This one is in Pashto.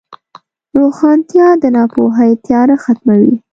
روښانتیا د ناپوهۍ تیاره ختموي.